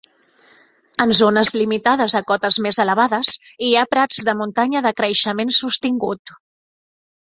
En zones limitades a cotes més elevades, hi ha prats de muntanya de creixement sostingut.